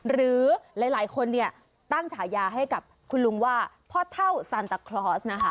หรือหลายคนเนี่ยตั้งฉายาให้กับคุณลุงว่าพ่อเท่าซันตาคลอสนะคะ